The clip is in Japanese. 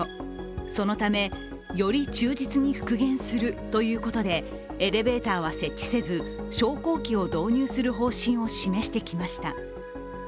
そのため、より忠実に復元するということでエレベーターは設置せず、昇降機を導入する方針を示してきました。